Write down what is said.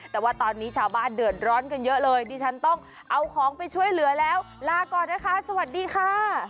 แต่ว่าตอนนี้ชาวบ้านเดือดร้อนกันเยอะเลยดิฉันต้องเอาของไปช่วยเหลือแล้วลาก่อนนะคะสวัสดีค่ะ